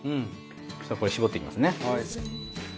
そうしたらこれを絞っていきますね。